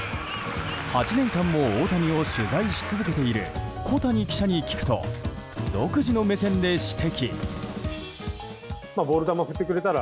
８年間も大谷を取材し続けている小谷記者に聞くと独自の目線で指摘。